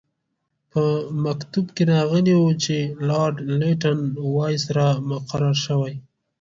په مکتوب کې راغلي وو چې لارډ لیټن وایسرا مقرر شوی.